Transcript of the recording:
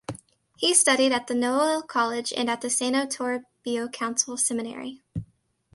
He studied at the Noel College and at the Santo Toribio Council Seminary.